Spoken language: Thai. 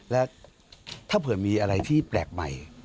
และถ้าเผื่อมีอะไรที่แปลกใหม่